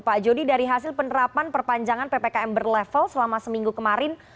pak jody dari hasil penerapan perpanjangan ppkm berlevel selama seminggu kemarin